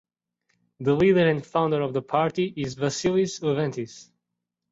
The leader and founder of the party is Vassilis Leventis.